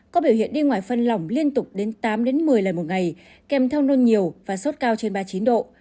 có biểu hiện đi ngoài phân lỏng liên tục đến tám một mươi lần một ngày kèm theo nôn nhiều và sốt cao trên ba mươi chín độ